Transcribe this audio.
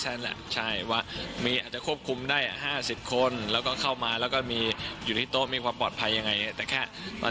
เอาความทิ้งมาพูดกันแล้